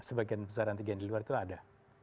sebagian besar antigen di luar itu ada